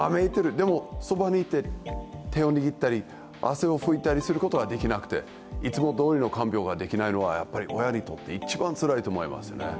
でもそばにいて手を握ったり汗を拭いたりすることはできなくていつもどおりの看病ができないのは親にとって一番つらいと思いますね。